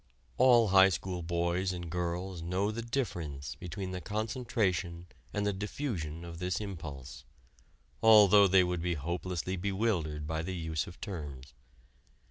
All high school boys and girls know the difference between the concentration and the diffusion of this impulse, although they would be hopelessly bewildered by the use of terms.